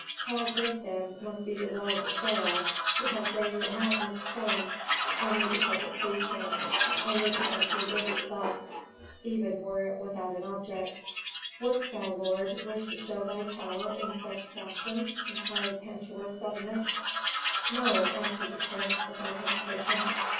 How great, then, must be the will of the pharaoh who has raised a mountain of stones only because it pleased him, only because he wished thus, even were it without an object." "Wouldst thou, lord, wish to show thy power in such fashion?" inquired Pentuer, suddenly. "No," answered the prince, without hesitation.